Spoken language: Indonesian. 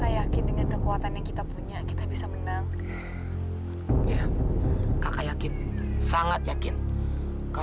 yang sekarang dipimpin oleh kakak saya